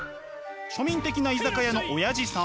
庶民的な居酒屋のオヤジさん。